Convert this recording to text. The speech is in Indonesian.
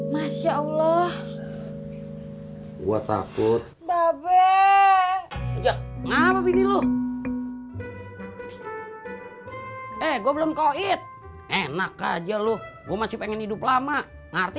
masya allah gua takut dabeh ngapain lu eh gua belum koi enak aja lu gue masih pengen hidup lama ngerti